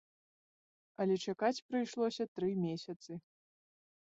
Але чакаць прыйшлося тры месяцы.